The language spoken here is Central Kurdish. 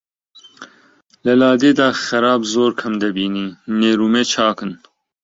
لە لادێدا خراب زۆر کەم دەبینی نێر و مێ چاکن